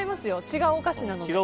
違うお菓子なので。